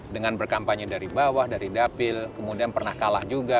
dengan berkampanye dari bawah dari dapil kemudian pernah kalah juga